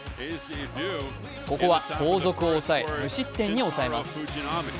ここは後続を抑え無失点に抑えます。